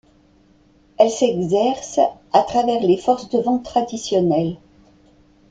Elle s’exerce à travers les forces de vente traditionnelles.